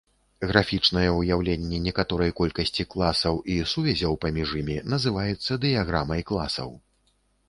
Графічнае ўяўленне некаторай колькасці класаў і сувязяў паміж імі называецца дыяграмай класаў.